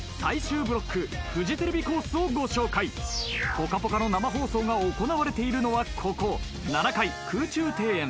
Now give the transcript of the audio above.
『ぽかぽか』の生放送が行われているのはここ７階空中庭園。